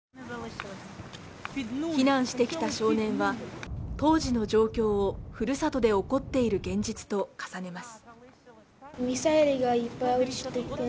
避難してきた少年は当時の状況をふるさとで起こっている現実と重ねます。